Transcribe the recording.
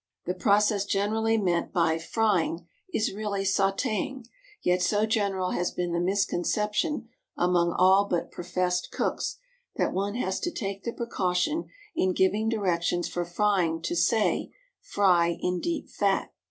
The process generally meant by "frying" is really sautéing; yet so general has been the misconception among all but professed cooks, that one has to take the precaution in giving directions for frying to say, "Fry in deep fat."